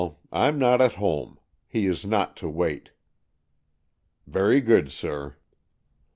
Fm not at home. He is not to wait." ''Very good, sir."